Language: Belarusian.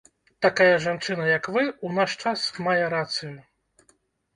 Такая жанчына, як вы, у наш час мае рацыю.